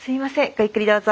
ごゆっくりどうぞ。